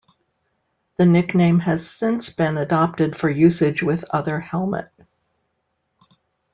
The nickname has since been adopted for usage with other helmet.